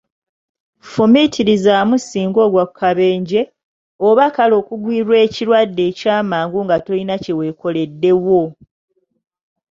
Fumiitirizaamu singa ogwa ku kabenje, oba kale okugwirwa ekirwadde ekyamangu nga tolina kyewekoleddewo!